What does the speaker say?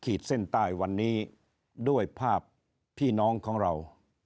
ขีดเส้นใต้วันนี้ด้วยภาพพี่น้องของเรา